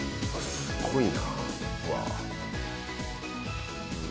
すごいな。